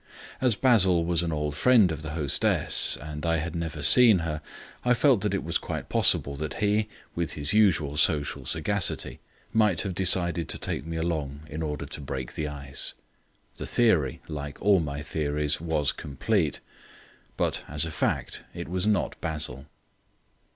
As Basil was an old friend of the hostess and I had never seen her, I felt that it was quite possible that he (with his usual social sagacity) might have decided to take me along in order to break the ice. The theory, like all my theories, was complete; but as a fact it was not Basil.